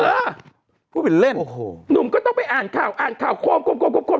เออพูดเป็นเล่นโอ้โหหนุ่มก็ต้องไปอ่านข่าวอ่านข่าวโคมกลม